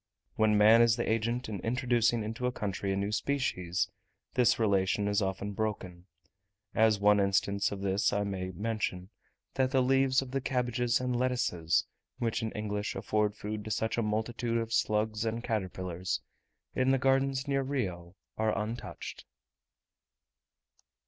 When man is the agent in introducing into a country a new species, this relation is often broken: as one instance of this I may mention, that the leaves of the cabbages and lettuces, which in England afford food to such a multitude of slugs and caterpillars, in the gardens near Rio are untouched.